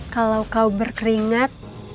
kalau kau berkeringat